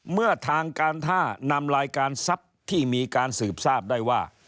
เมื่อทางการท่านำรายการทรัพย์ที่มีการสืบทราบได้ว่า